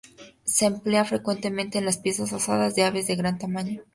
Se emplea frecuentemente en las piezas asadas de aves de gran tamaño.